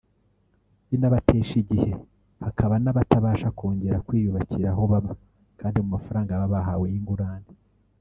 binabatesha igihe hakaba n’abatabasha kongera kwiyubakira aho baba handi mu mafaranga baba bahawe y’ingurane